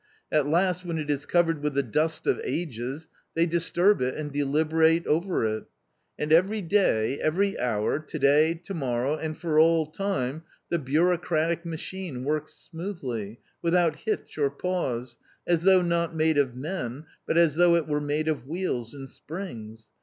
At last when it is covered with the dust of ages, they disturb it and deliberate over it And every day, every hour, to day, to morrow and for all time the bureaucratic machine works smoothly, without hitch or pause, as though not made of men, but as though it were made of wheels and springs.